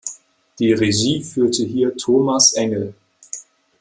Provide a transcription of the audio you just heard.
Die Regie führte hier Thomas Engel.